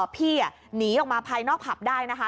พี่หนีออกมาภายนอกผับได้นะคะ